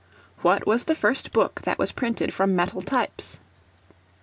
What was the first Book that was printed from metal types?